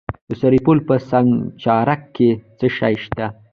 د سرپل په سانچارک کې څه شی شته؟